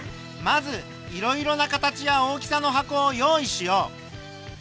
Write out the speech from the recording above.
まずいろいろな形や大きさの箱を用意しよう。